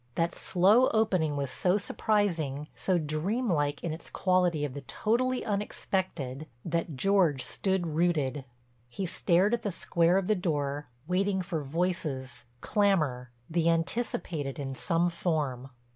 That slow opening was so surprising, so dreamlike in its quality of the totally unexpected, that George stood rooted. He stared at the square of the door, waiting for voices, clamor, the anticipated in some form.